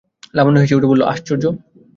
লাবণ্য হেসে উঠে বললে, আশ্চর্য!